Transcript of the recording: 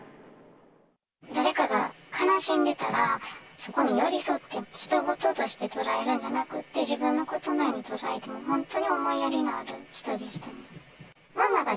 誰かが悲しんでたら、そこに寄り添って、ひと事として捉えるんじゃなくて、自分のことのように捉えて、本当に思いやりのある人でしたね。